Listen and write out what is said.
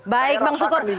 baik bang sukur